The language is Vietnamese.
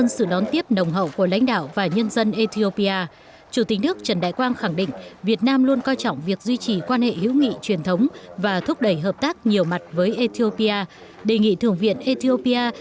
xin chào và hẹn gặp lại trong các bản tin tiếp theo